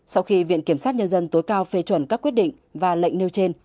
sau khi viện kiểm sát nhân dân tối cao phê chuẩn các quyết định và lệnh nêu trên